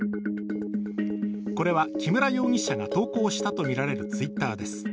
これは木村容疑者が投稿したとみられるＴｗｉｔｔｅｒです。